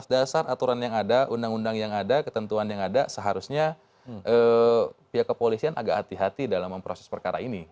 dasar aturan yang ada undang undang yang ada ketentuan yang ada seharusnya pihak kepolisian agak hati hati dalam memproses perkara ini